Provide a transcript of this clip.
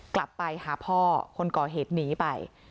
กลับไปหาพ่อคนก่อเหตุหนีไป